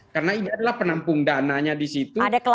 karena ini adalah penampung dananya di situ